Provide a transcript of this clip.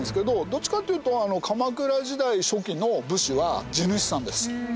どちらかというと鎌倉時代初期の武士は地主さんです。